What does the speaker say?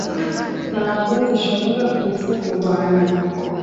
ntabwo zishobora kuza ku kurwanya